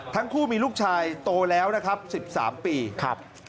ทั้งคู่มีลูกชายโตแล้วนะครับ๑๓ปีครับ